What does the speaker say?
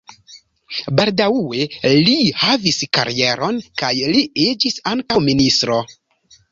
Baldaŭe li havis karieron kaj li iĝis ankaŭ ministro.